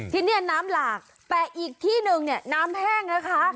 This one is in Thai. ที่นี่น้ำหลากแต่อีกที่หนึ่งเนี่ยน้ำแห้งนะคะ